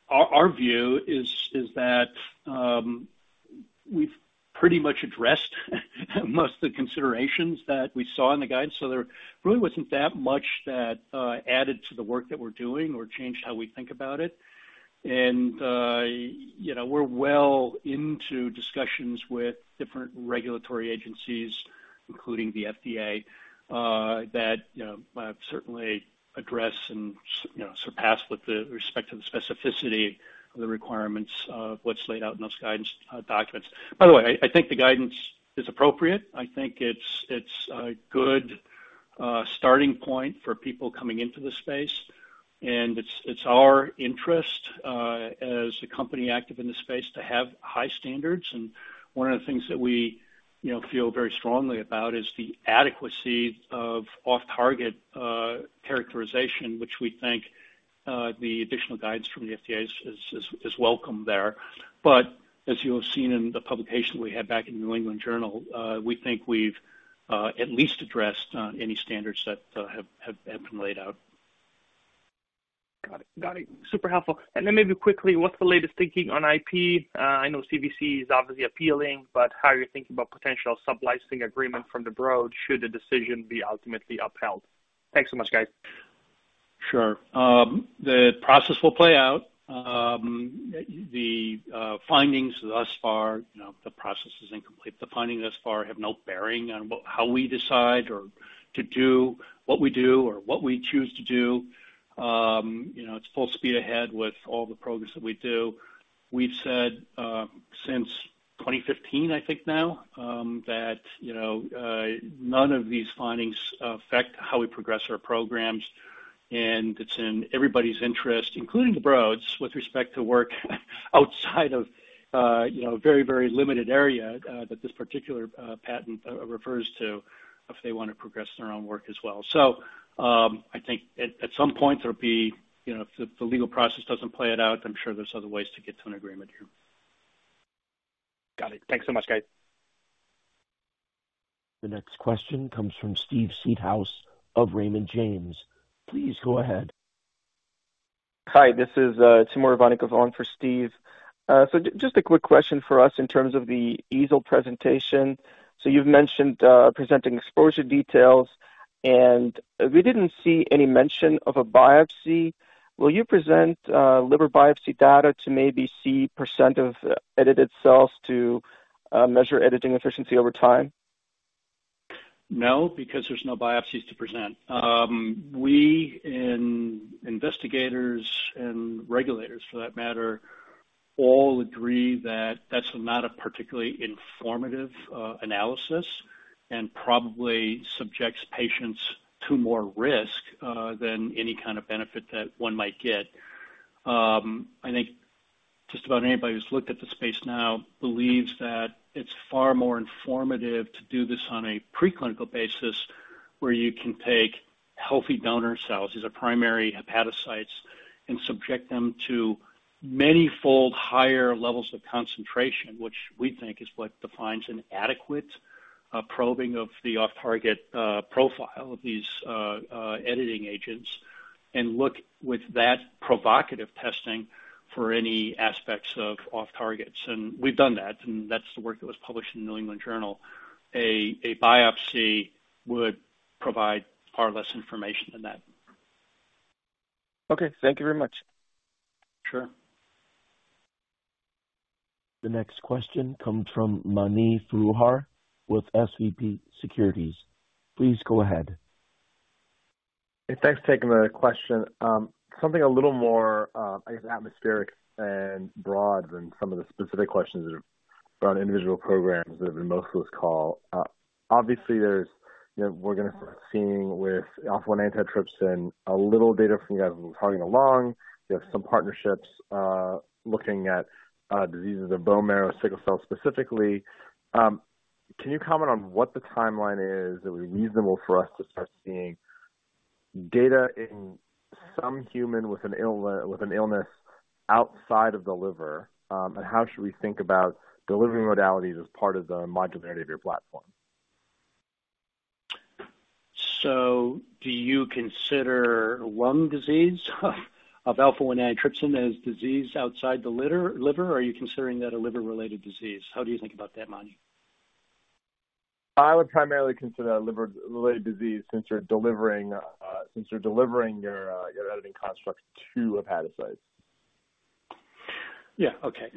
Our view is that we've pretty much addressed most of the considerations that we saw in the guide. There really wasn't that much that added to the work that we're doing or changed how we think about it. You know, we're well into discussions with different regulatory agencies, including the FDA, that you know certainly address and surpass with respect to the specificity of the requirements of what's laid out in those guidance documents. By the way, I think the guidance is appropriate. I think it's a good starting point for people coming into the space, and it's our interest as a company active in the space to have high standards. One of the things that we you know feel very strongly about is the adequacy of off target characterization, which we think the additional guidance from the FDA is welcome there. As you have seen in the publication we had back in New England Journal, we think we've at least addressed any standards that have been laid out. Got it. Got it. Super helpful. Maybe quickly, what's the latest thinking on IP? I know CVC is obviously appealing, but how are you thinking about potential sub-licensing agreement from the Broad Institute should the decision be ultimately upheld? Thanks so much, guys. Sure. The process will play out. The findings thus far, you know, the process is incomplete. The findings thus far have no bearing on how we decide or to do what we do or what we choose to do. You know, it's full speed ahead with all the progress that we do. We've said since 2015, I think now, that, you know, none of these findings affect how we progress our programs, and it's in everybody's interest, including the Broad with respect to work outside of, you know, very, very limited area that this particular patent refers to if they wanna progress their own work as well. I think at some point there'll be, you know, if the legal process doesn't play it out, I'm sure there's other ways to get to an agreement here. Got it. Thanks so much, guys. The next question comes from Steven Seedhouse of Raymond James. Please go ahead. Hi, this is Timur Ivannikov on for Steve. Just a quick question for us in terms of the EASL presentation. You've mentioned presenting exposure details, and we didn't see any mention of a biopsy. Will you present liver biopsy data to maybe see percent of edited cells to measure editing efficiency over time? No, because there's no biopsies to present. We and investigators and regulators, for that matter, all agree that that's not a particularly informative analysis and probably subjects patients to more risk than any kind of benefit that one might get. I think just about anybody who's looked at the space now believes that it's far more informative to do this on a preclinical basis where you can take healthy donor cells, these are primary hepatocytes, and subject them to manyfold higher levels of concentration, which we think is what defines an adequate probing of the off-target profile of these editing agents, and look with that provocative testing for any aspects of off-targets. We've done that, and that's the work that was published in The New England Journal. A biopsy would provide far less information than that. Okay. Thank you very much. Sure. The next question comes from Mani Foroohar with SVB Securities. Please go ahead. Thanks for taking my question. Something a little more, I guess, atmospheric and broad than some of the specific questions that have been on individual programs that have been most of this call. Obviously, there's, you know, we're going to see with alpha-1 antitrypsin a little data from you guys we've been talking all along. You have some partnerships, looking at diseases of bone marrow, sickle cell specifically. Can you comment on what the timeline is that would be reasonable for us to start seeing data in some human with an illness outside of the liver? And how should we think about delivery modalities as part of the modularity of your platform? Do you consider lung disease of alpha-1 antitrypsin as disease outside the liver, or are you considering that a liver-related disease? How do you think about that, Mani? I would primarily consider liver-related disease since you're delivering your editing construct to hepatocytes. Yeah. Okay.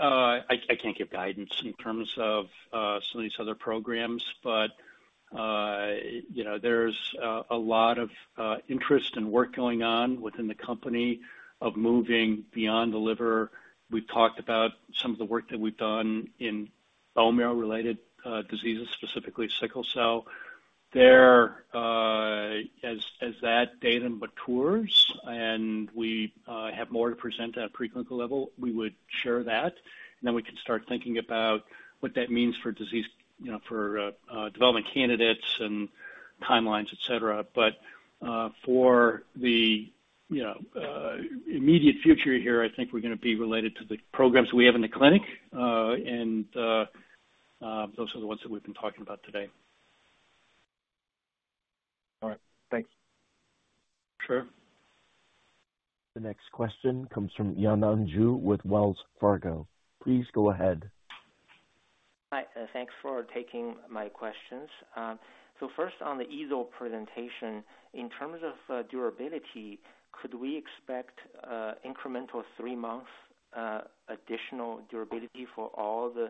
I can't give guidance in terms of some of these other programs, but you know, there's a lot of interest and work going on within the company of moving beyond the liver. We've talked about some of the work that we've done in bone marrow-related diseases, specifically sickle cell. As that data matures and we have more to present at preclinical level, we would share that. We can start thinking about what that means for disease, you know, for development candidates and timelines, et cetera. For the, you know, immediate future here, I think we're gonna be related to the programs we have in the clinic and those are the ones that we've been talking about today. All right. Thanks. Sure. The next question comes from Yanan Zhu with Wells Fargo. Please go ahead. Hi. Thanks for taking my questions. First on the EASL presentation, in terms of durability, could we expect incremental three-month additional durability for all the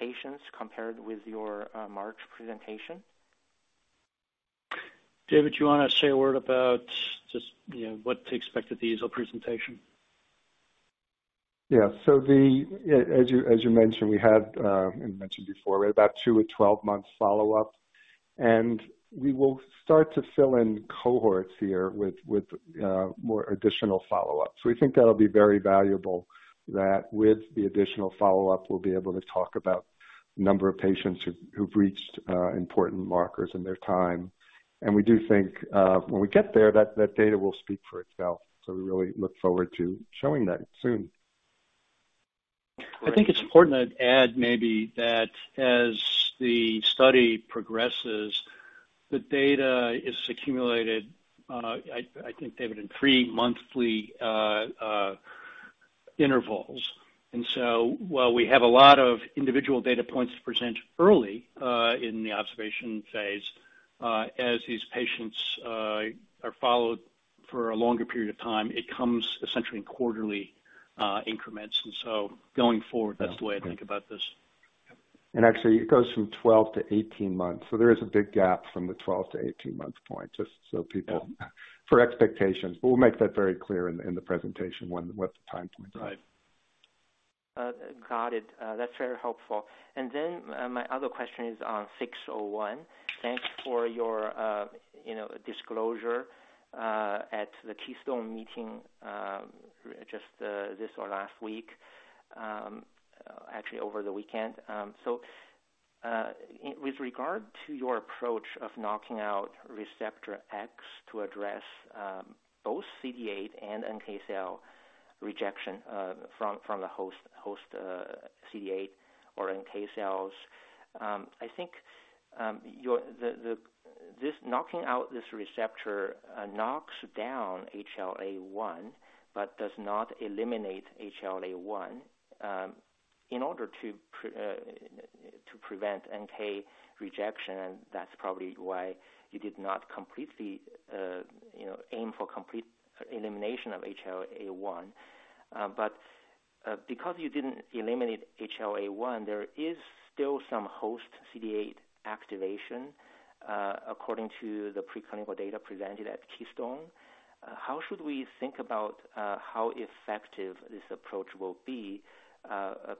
patients compared with your March presentation? David, do you wanna say a word about just, you know, what to expect at the EASL presentation? Yeah. As you mentioned, we had mentioned before, we had about two- or 12-month follow-up, and we will start to fill in cohorts here with more additional follow-up. We think that'll be very valuable that with the additional follow-up, we'll be able to talk about the number of patients who've reached important markers in their time. We do think, when we get there, that data will speak for itself. We really look forward to showing that soon. I think it's important to add maybe that as the study progresses, the data is accumulated, I think, David, in three monthly intervals. While we have a lot of individual data points to present early in the observation phase, as these patients are followed for a longer period of time, it comes essentially in quarterly increments. Going forward, that's the way I think about this. Actually, it goes from 12-18 months. There is a big gap from the 12-18-month point, just so people Yeah. For expectations. We'll make that very clear in the presentation when what the time points are. Right. Got it. That's very helpful. My other question is on 601. Thanks for your, you know, disclosure at the Keystone meeting, just this or last week, actually over the weekend. With regard to your approach of knocking out receptor X to address both CD8 and NK cell rejection from the host CD8 or NK cells, I think this knocking out this receptor knocks down HLA-1 but does not eliminate HLA-1. In order to prevent NK rejection, that's probably why you did not completely, you know, aim for complete elimination of HLA-1. Because you didn't eliminate HLA-1, there is still some host CD8 activation according to the preclinical data presented at Keystone. How should we think about,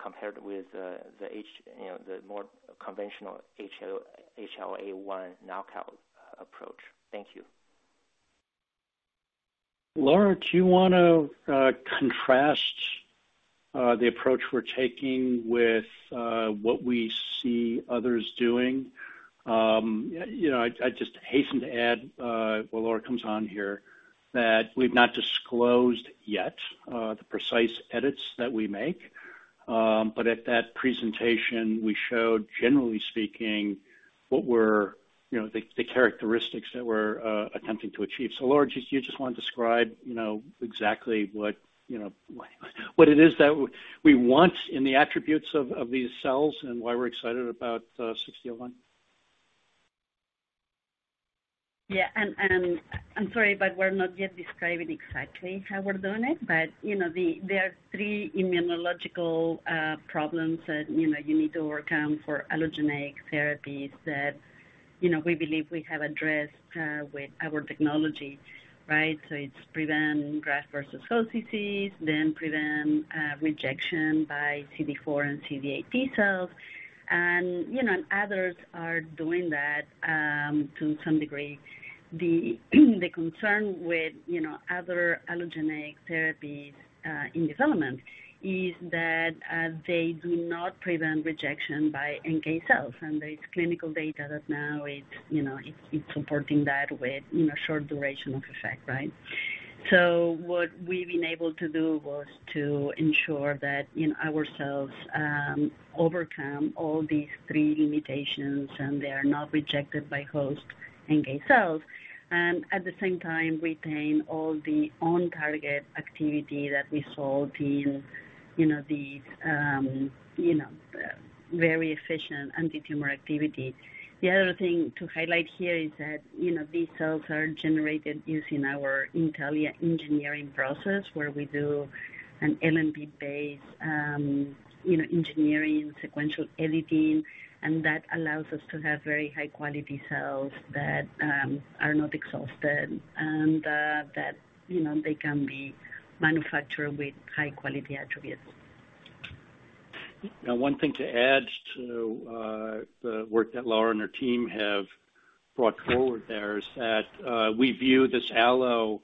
compared with, you know, the more conventional HLA-1 knockout approach? Thank you. Laura, do you wanna contrast the approach we're taking with what we see others doing? You know, I just hasten to add while Laura comes on here that we've not disclosed yet the precise edits that we make. At that presentation, we showed, generally speaking, what were you know the characteristics that we're attempting to achieve. Laura, do you just wanna describe you know exactly what you know what it is that we want in the attributes of these cells and why we're excited about 601? Yeah. I'm sorry, but we're not yet describing exactly how we're doing it. You know, there are three immunological problems that you know, you need to work on for allogeneic therapies that you know, we believe we have addressed with our technology, right? It's prevent graft-versus-host disease, then prevent rejection by CD4 and CD8 T cells. You know, others are doing that to some degree. The concern with you know, other allogeneic therapies in development is that they do not prevent rejection by NK cells. There is clinical data that now it's you know, it's supporting that with you know, short duration of effect, right? What we've been able to do was to ensure that our cells overcome all these three limitations, and they are not rejected by host NK cells, and at the same time retain all the on-target activity that we saw in, you know, these, very efficient antitumor activity. The other thing to highlight here is that, you know, these cells are generated using our Intellia engineering process, where we do an LNP-based engineering, sequential editing, and that allows us to have very high-quality cells that are not exhausted and that, you know, they can be manufactured with high-quality attributes. Now, one thing to add to the work that Laura and her team have brought forward there is that we view this allo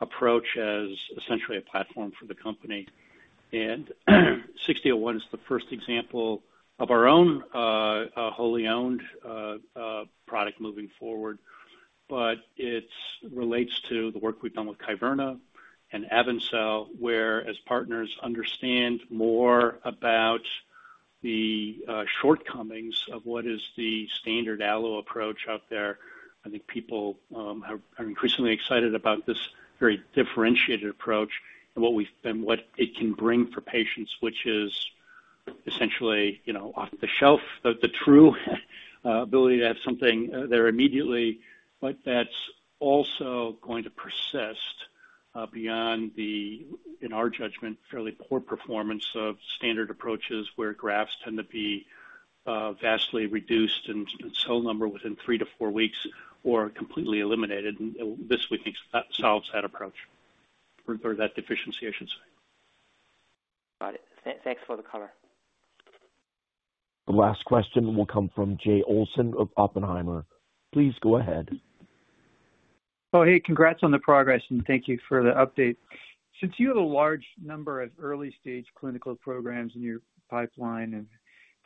approach as essentially a platform for the company. NTLA-6001 is the first example of our own wholly owned product moving forward. It relates to the work we've done with Kyverna and AvenCell, whereas partners understand more about the shortcomings of what is the standard allo approach out there. I think people are increasingly excited about this very differentiated approach and what it can bring for patients, which is essentially, you know, off the shelf, the true ability to have something there immediately, but that's also going to persist beyond the, in our judgment, fairly poor performance of standard approaches, where grafts tend to be vastly reduced in cell number within three to four weeks or completely eliminated. This we think solves that approach or that deficiency, I should say. Got it. Thanks for the color. The last question will come from Jay Olson of Oppenheimer. Please go ahead. Oh, hey, congrats on the progress, and thank you for the update. Since you have a large number of early-stage clinical programs in your pipeline and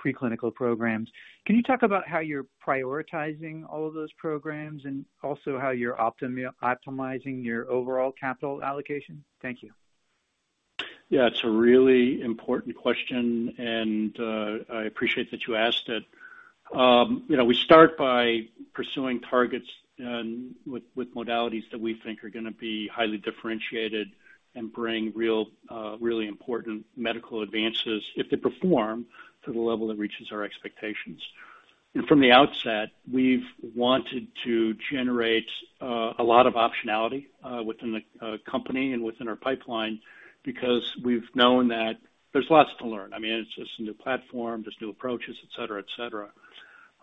preclinical programs. Can you talk about how you're prioritizing all of those programs and also how you're optimizing your overall capital allocation? Thank you. Yeah, it's a really important question, and I appreciate that you asked it. You know, we start by pursuing targets and with modalities that we think are gonna be highly differentiated and bring real, really important medical advances if they perform to the level that reaches our expectations. From the outset, we've wanted to generate a lot of optionality within the company and within our pipeline, because we've known that there's lots to learn. I mean, it's a new platform, there's new approaches, et cetera.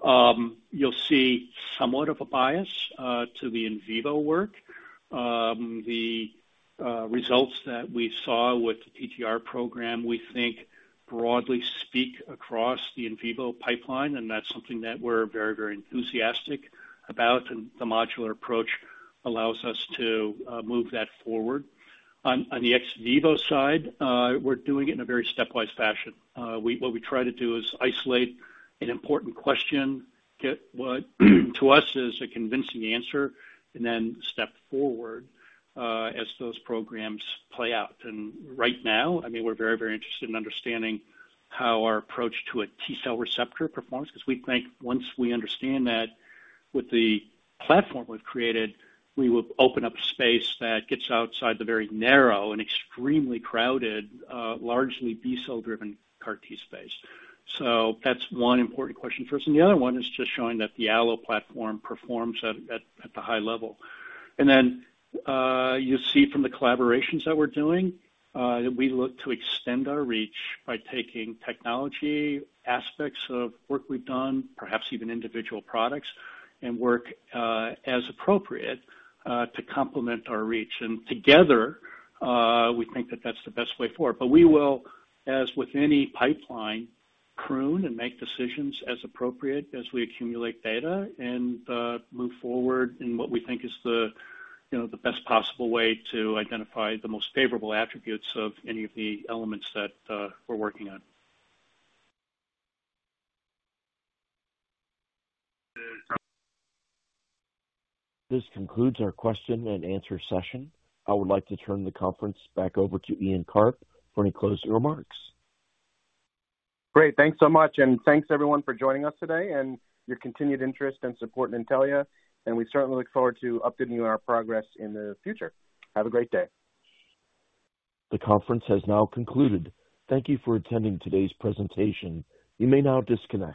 You'll see somewhat of a bias to the in vivo work. The results that we saw with the TTR program, we think broadly speak across the in vivo pipeline, and that's something that we're very enthusiastic about. The modular approach allows us to move that forward. On the ex vivo side, we're doing it in a very stepwise fashion. What we try to do is isolate an important question, get what to us is a convincing answer, and then step forward as those programs play out. Right now, I mean, we're very, very interested in understanding how our approach to a T-cell receptor performs, 'cause we think once we understand that with the platform we've created, we will open up space that gets outside the very narrow and extremely crowded, largely B-cell driven CAR-T space. That's one important question for us. The other one is just showing that the Allo platform performs at the high level. You'll see from the collaborations that we're doing, that we look to extend our reach by taking technology aspects of work we've done, perhaps even individual products, and work as appropriate to complement our reach. Together, we think that that's the best way forward. We will, as with any pipeline, prune and make decisions as appropriate as we accumulate data and move forward in what we think is the, you know, the best possible way to identify the most favorable attributes of any of the elements that we're working on. This concludes our question-and-answer session. I would like to turn the conference back over to Ian Karp for any closing remarks. Great. Thanks so much, and thanks everyone for joining us today and your continued interest and support in Intellia, and we certainly look forward to updating you on our progress in the future. Have a great day. The conference has now concluded. Thank you for attending today's presentation. You may now disconnect.